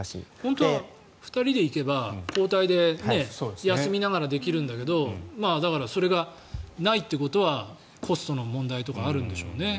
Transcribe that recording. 本当は２人で行けば交代で休みながらできるんだけどだから、それがないということはコストの問題とかあるんでしょうね。